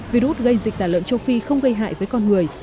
virus gây dịch tả lợn châu phi không gây hại với con người